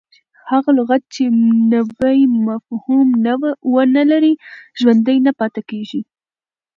هغه لغت، چي نوی مفهوم و نه لري، ژوندی نه پاته کیږي.